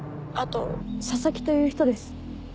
あと佐々木という人です。